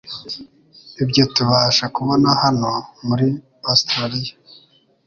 ibyo tubasha kubona hano muri Ositraliya.